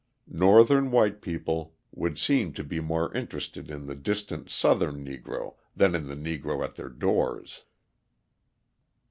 Northern white people would seem to be more interested in the distant Southern Negro than in the Negro at their doors.